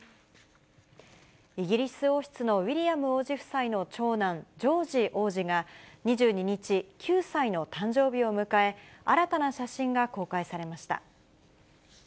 イギリス王室のウィリアム王子夫妻の長男、ジョージ王子が、２２日、９歳の誕生日を迎え、新たな写真が公開されました。